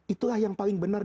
itulah yang paling benar